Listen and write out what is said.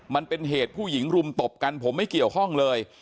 มันเป็นเหตุผู้หญิงรุมตบกันผมไม่เกี่ยวข้องเลย